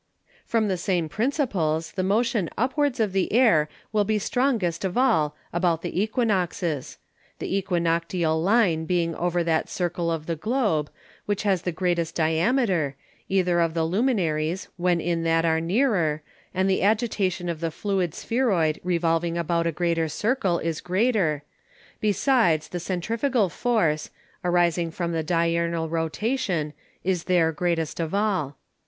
From the same Principles, The Motion upwards of the Air will be strongest of all about the Equinoxes; the Equinoctial Line being over that Circle of the Globe, which has the greatest Diameter, either of the Luminaries when in that are nearer, and the Agitation of the Fluid Spheroid revolving about a greater Circle, is greater; besides, the Centrifugal Force (arising from the Diurnal Rotation) is there greatest of all.